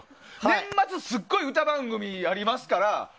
年末すごい歌番組ありますから。